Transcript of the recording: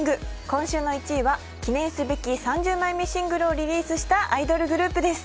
今週の１位は記念すべき３０枚目シングルをリリースしたアイドルグループです。